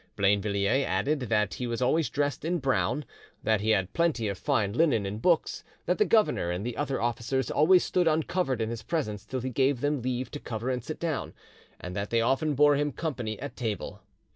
Blainvilliers added that he was always dressed in brown, that he had plenty of fine linen and books, that the governor and the other officers always stood uncovered in his presence till he gave them leave to cover and sit down, and that they often bore him company at table.